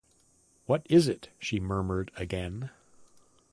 “What is it?” she murmured again.